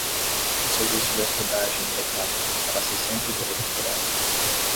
O serviço de hospedagem e backup custará seiscentos euros por ano.